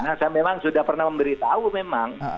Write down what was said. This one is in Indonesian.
nah saya memang sudah pernah memberitahu memang